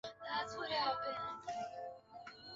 永嘉二年接替病死的高光任尚书令。